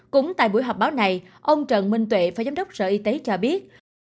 cũng tại buổi họp báo này ông trần minh tuệ phó giám đốc sở y tế cho biết